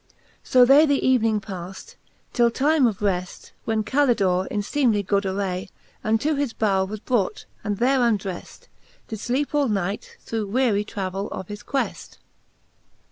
So they the evening paft, till time of reft, When Call dor e in feemly good array Unto his bowre was brought, and there undreft, Did fleepe all night through weary travell of his que ft.